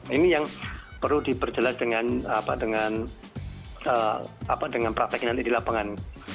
ini yang perlu diperjelas dengan praktek nanti di lapangan